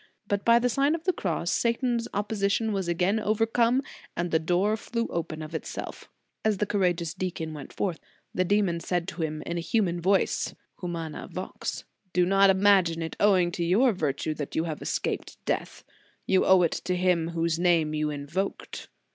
But by the Sign of the Cross, Satan s opposition was again overcome, and the door flew open of itself. As the courageous deacon went forth, the demon said to him in a human voice, 2o8 The Sign of the Cross Humana vox: "Do not imagine it owing to your virtue that you have escaped death. You owe it to Him whose name you invoked."